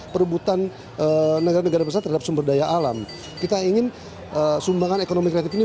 perebutan negara negara besar terhadap sumber daya alam kita ingin sumbangan ekonomi kreatif ini